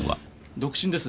独身です。